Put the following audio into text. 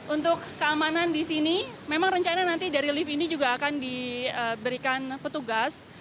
untuk keamanan di sini memang rencana nanti dari lift ini juga akan diberikan petugas